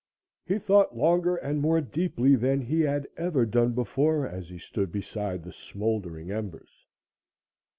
He thought longer and more deeply than he had ever done before, as he stood beside the smouldering embers.